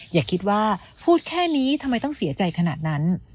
อย่าคิดว่าพูดแค่นี้ทำไมต้องเสียใจขนาดนั้น